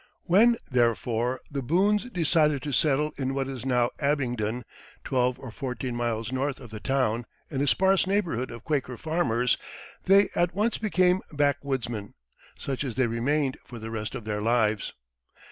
When, therefore, the Boones decided to settle in what is now Abingdon, twelve or fourteen miles north of the town, in a sparse neighborhood of Quaker farmers, they at once became backwoodsmen, such as they remained for the rest of their lives.